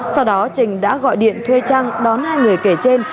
sau đó trình đã gọi điện thuê trang đón hai người kể trên